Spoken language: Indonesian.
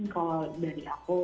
kalau dari aku